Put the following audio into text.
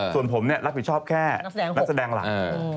ส่วนผมเนี่ยรักผิดชอบแค่นักแสดงหลัง